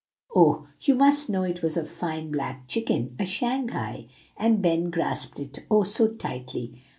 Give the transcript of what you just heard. "Oh! you must know it was a fine black chicken, a Shanghai; and Ben grasped it, oh, so tightly!